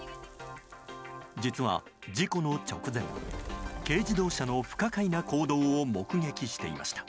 実は事故の直前軽自動車の不可解な行動を目撃していました。